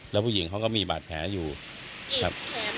แล้วผู้หญิงเขาก็มีบาดแผลอยู่ครับ